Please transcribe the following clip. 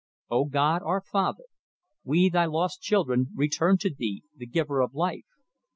"Oh, God, Our Father, we, Thy lost children, return to Thee, the Giver of Life.